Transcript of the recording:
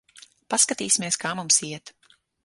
Paskatīsimies, kā mums iet.